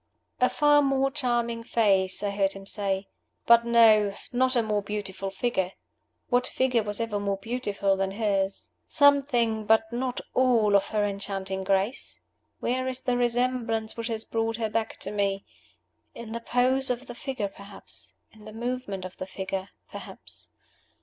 "A far more charming face," I heard him say. "But no not a more beautiful figure. What figure was ever more beautiful than hers? Something but not all of her enchanting grace. Where is the resemblance which has brought her back to me? In the pose of the figure, perhaps. In the movement of the figure, perhaps.